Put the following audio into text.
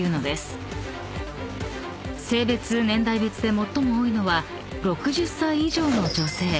［性別年代別で最も多いのは６０歳以上の女性］